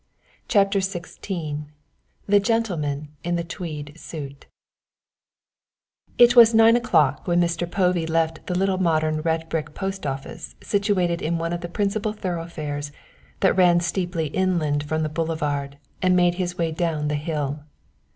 CHAPTER XVI THE GENTLEMAN IN THE TWEED SUIT It was nine o'clock when Mr. Povey left the little modern red brick post office situated in one of the principal thoroughfares, that ran steeply inland from the boulevard, and made his way down the hill.